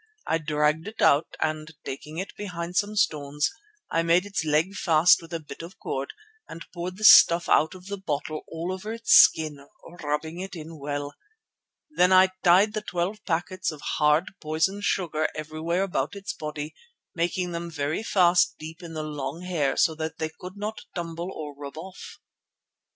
I dragged it out and, taking it behind some stones, I made its leg fast with a bit of cord and poured this stuff out of the bottle all over its skin, rubbing it in well. Then I tied the twelve packets of hard poison sugar everywhere about its body, making them very fast deep in the long hair so that they could not tumble or rub off.